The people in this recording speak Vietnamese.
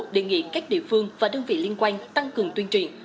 đề nghị các địa phương và đơn vị liên quan tăng cường tuyên truyền